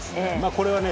これはね